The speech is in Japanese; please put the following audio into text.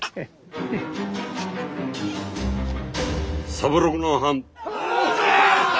三六の半。